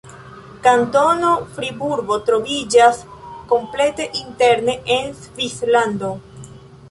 Kantono Friburgo troviĝas komplete interne de Svislando.